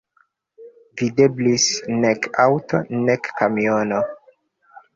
Videblis nek aŭto, nek kamiono.